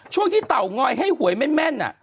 ช่วงที่เตางอยให้หวยแม่น